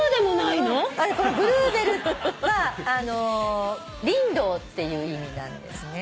このブルーベルはリンドウっていう意味なんですね。